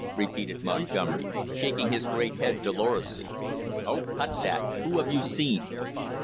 repeated Montgomery, shaking his great head dolorously. "Oh, cut that! Who have you seen?"